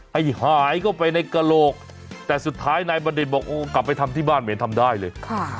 ให้หายเข้าไปในกระโหลกแต่สุดท้ายนายบัณฑิตบอกโอ้กลับไปทำที่บ้านเหม็นทำได้เลย